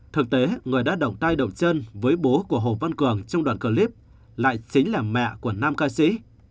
thực tế người đã động tai đầu chân với bố của hồ văn cường trong đoạn clip lại chính là mẹ của nam ca sĩ